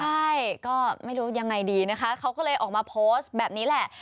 ใช่ก็ไม่รู้ยังไงดีนะคะเขาก็เลยออกมาโพสต์แบบนี้แหละ